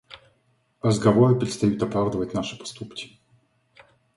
Разговоры перестают оправдывать наши поступки.